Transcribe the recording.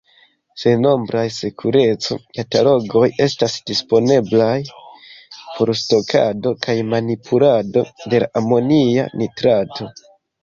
Sennombraj sekureco-katalogoj estas disponeblaj por stokado kaj manipulado de la amonia nitrato.